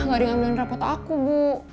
gak ada yang ambilin rapot aku bu